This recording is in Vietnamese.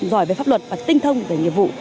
giỏi về pháp luật và tinh thông về nghiệp vụ